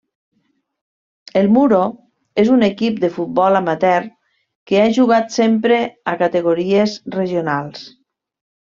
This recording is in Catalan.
El Muro és un equip de futbol amateur que ha jugat sempre a categories regionals.